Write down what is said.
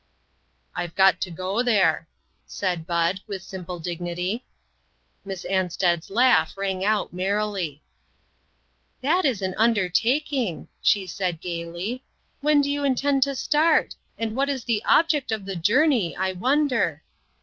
" I've got to go there," said Bud, with simple dignity. Miss Ansted's laugh rang out merrily. 28O INTERRUPTED. " That is an undertaking !" she said, gayly. "When do you intend to start? and what is the object of the journey, I won der?"